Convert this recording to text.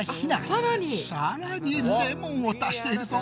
さらにレモンを足しているぞ。